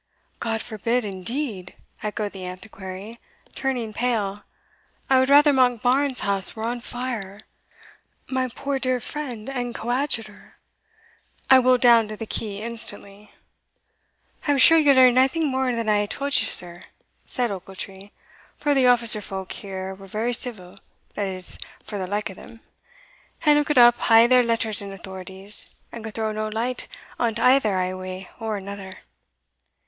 "God forbid indeed!" echoed the Antiquary, turning pale "I would rather Monkbarns House were on fire. My poor dear friend and coadjutor! I will down to the quay instantly." "I'm sure yell learn naething mair than I hae tauld ye, sir," said Ochiltree, "for the officer folk here were very civil (that is, for the like o' them), and lookit up ae their letters and authorities, and could throw nae light on't either ae way or another."